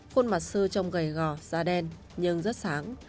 khuôn mặt sư trong gầy gò da đen nhưng rất sáng